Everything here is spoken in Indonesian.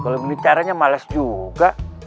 kalau mengincaranya males juga